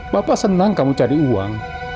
bapak senang kamu cari uang